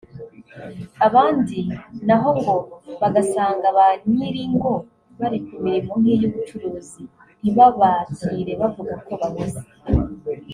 abandi na ho ngo bagasanga ba nyir’ingo bari ku mirimo nk’iy’ubucuruzi ntibabakire bavuga ko bahuze